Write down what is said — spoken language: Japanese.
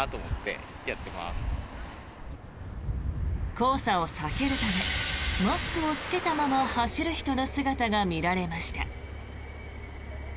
黄砂を避けるためマスクを着けたまま走る人の姿が見られました。